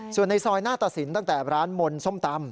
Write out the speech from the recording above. ส่วนในซอยหน้าตะสินตั้งแต่ร้านมนต์ส้มตำ